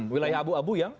wilayah abu abu yang